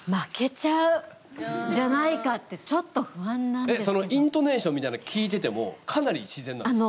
最近そのイントネーションみたいなん聞いててもかなり自然なんですか？